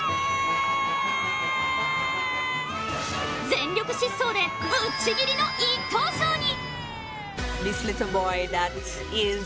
全力疾走で、ぶっちぎりの１等賞に。